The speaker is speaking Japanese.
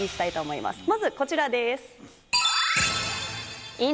まず、こちらです。